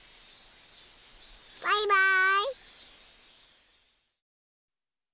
バイバーイ。